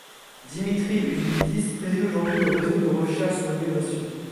Dimitri Uzunidis préside aujourd'hui le Réseau de recherche sur l'innovation.